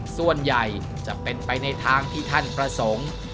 ส่วนใหญ่จะเป็นไปในทางที่ท่านประสงค์